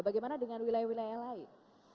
bagaimana dengan wilayah wilayah lain